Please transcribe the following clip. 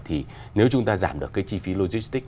thì nếu chúng ta giảm được cái chi phí logistics